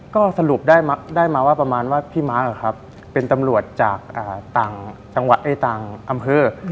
ก็สรุปได้มาว่าประมาณว่าพี่มาร์คเป็นตำรวจจากต่างอำเภอ